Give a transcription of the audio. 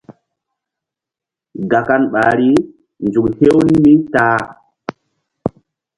Gakan ɓahri: nzuk hew mi ta-a.